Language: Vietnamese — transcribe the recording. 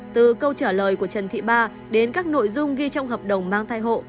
từ câu trả lời của trần thị ba đến các nội dung ghi trong hợp đồng mang thai hộ